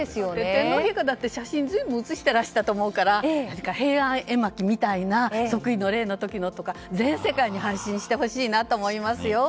天皇陛下だって写真随分写してらしたと思うから平安絵巻みたいな即位の礼の時のものを全世界に発信してほしいなと思いますよ。